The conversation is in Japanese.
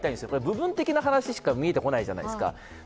部分的な話しか見えてこないじゃないですか。